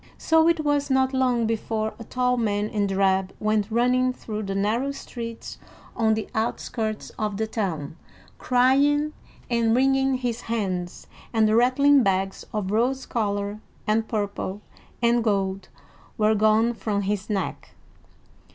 So it was not long before a tall man in drab went running through the narrow streets on the outskirts of the town, crying and wringing his hands, and the rattling bags of rose color, and purple, and gold were gone from his neck.